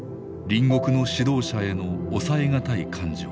隣国の指導者への抑えがたい感情。